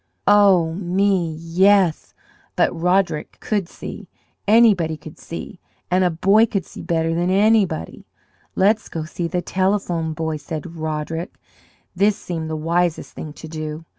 Oh, me, yes! but Roderick could see! Anybody could see! And a boy could see better than anybody. "Let's go see the Telephone Boy," said Roderick. This seemed the wisest thing to do.